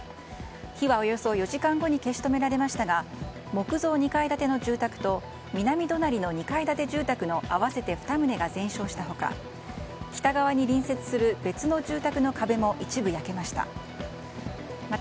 火はおよそ４時間後に消し止められましたが木造２階建ての住宅と南隣の２階建て住宅の合わせて２棟が全焼した他北側に隣接する別の住宅の壁も一部焼けました。